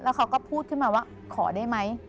เขาก็พูดขึ้นมาว่าขอได้ไหม